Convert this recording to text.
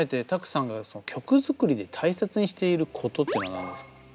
Ｔａｋｕさんが曲作りで大切にしていることってのは何ですか？